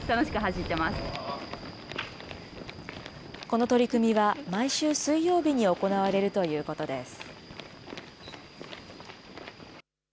この取り組みは、毎週水曜日に行われるということです。